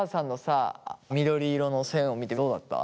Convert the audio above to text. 緑色の線を見てどうだった？